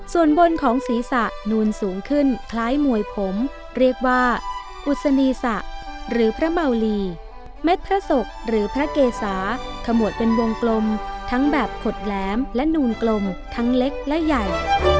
ส่วนบนของศีรษะนูนสูงขึ้นคล้ายมวยผมเรียกว่าอุศนีสะหรือพระเมาลีเม็ดพระศกหรือพระเกษาขมวดเป็นวงกลมทั้งแบบขดแหลมและนูนกลมทั้งเล็กและใหญ่